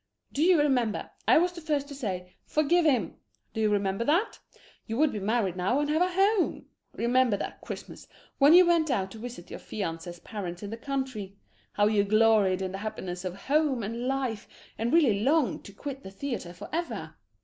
Do you remember, I was the first to say "Forgive him?" Do you remember that? You would be married now and have a home. Remember that Christmas when you went out to visit your fiance's parents in the country? How you gloried in the happiness of home life and really longed to quit the theatre forever?